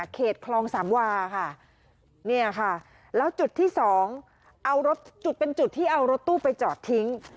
เขตคลองสามวาค่ะเนี่ยค่ะแล้วจุดที่๒เป็นจุดที่เอารถตู้ไปจอดทิ้ง